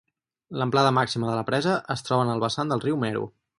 L'amplada màxima de la presa es troba en el vessant del riu Mero.